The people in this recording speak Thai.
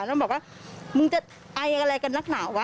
แล้วบอกว่ามึงจะไออะไรกันนักหนาวะ